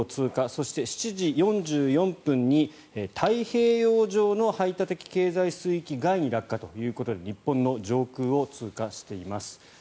そして、７時４４分に太平洋上の排他的経済水域外に落下ということで日本の上空を通過しています。